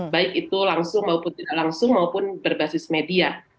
baik itu langsung maupun tidak langsung maupun berbasis media